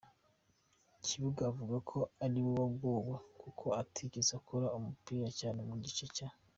kibuga avuga ko ari we wagowe kuko atigeze akora umupira cyane mu gice cya.